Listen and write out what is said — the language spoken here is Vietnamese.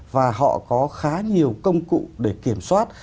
và họ có khá nhiều công cụ để kiểm soát